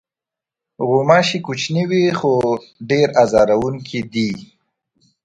غوماشې کوچنۍ وي، خو ډېرې آزاروونکې دي.